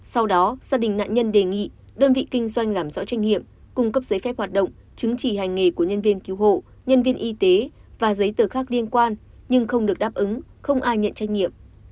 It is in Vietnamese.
sau đó gia đình nạn nhân đề nghị đơn vị kinh doanh làm rõ trách nhiệm cung cấp giấy phép hoạt động chứng chỉ hành nghề của nhân viên cứu hộ nhân viên y tế và giấy tờ khác liên quan nhưng không được đáp ứng không ai nhận trách nhiệm